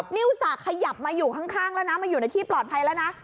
นิ้วสะขยับมาอยู่ข้างมาอยู่ในที่ปลอดภัยแล้วนะ